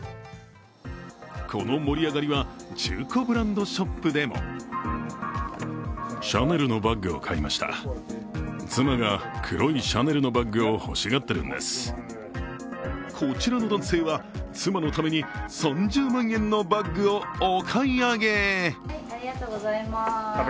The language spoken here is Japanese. この盛り上がりは中古ブランドショップでもこちらの男性は妻のために３０万円のバッグをお買い上げ。